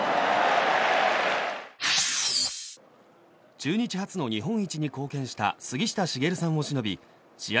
中日初の日本一に貢献した杉下茂さんをしのび試合